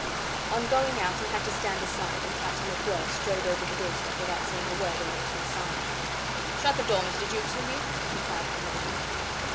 On going out he had to stand aside, and Captain MacWhirr strode over the doorstep without saying a word or making a sign. "Shut the door, Mr. Jukes, will you?" he cried from within.